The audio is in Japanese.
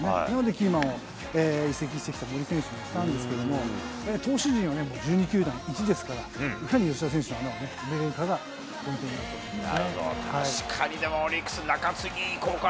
キーマンは、移籍してきた森選手にしたんですけど、投手陣は１２球団一ですから、いかに吉田選手の穴を埋めるかがポイントになってくると思います